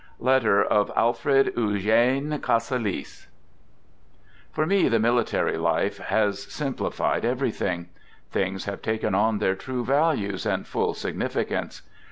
{Letter of Alfred Eugene Casalis) For me the military life has simplified everything. Things have taken on their true values and full sig nificance.